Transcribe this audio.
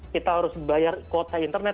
kita harus bayar kuota internet